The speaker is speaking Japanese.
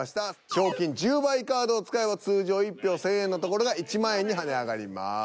賞金１０倍カードを使えば通常１票１，０００円のところが１万円に跳ね上がります。